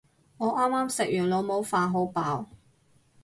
我啱啱食完老母飯，好飽